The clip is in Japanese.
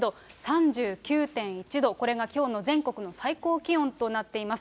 ３９．１度、これがきょうの全国の最高気温となっています。